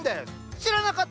知らなかった！